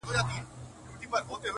التفات دي د نظر نظر بازي کوي نیاز بیني-